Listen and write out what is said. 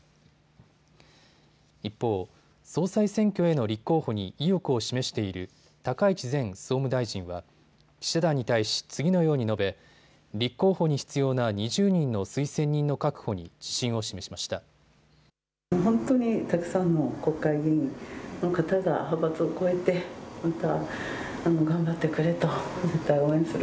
一方、総裁選挙への立候補に意欲を示している高市前総務大臣は記者団に対し次のように述べ立候補に必要な２０人の推薦人の確保に自信を示しました。